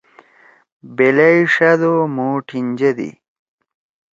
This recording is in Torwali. بیلائی ݜأدو مھو ٹِھنجدی۔